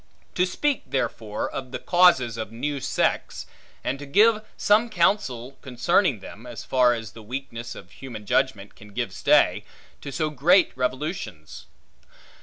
To speak, therefore, of the causes of new sects; and to give some counsel concerning them, as far as the weakness of human judgment can give stay, to so great revolutions.